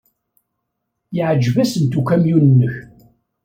Yeɛjeb-asent ukamyun-nnek.